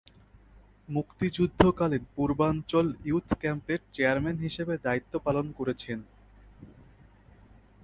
মুক্তিযুদ্ধকালীন পূর্বাঞ্চল ইয়ুথ ক্যাম্পের চেয়ারম্যান হিসেবে দায়িত্ব পালন করেছেন।